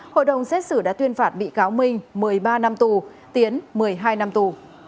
hội đồng xét xử đã tuyên phạt bị cáo minh một mươi ba năm tù tiến một mươi hai năm tù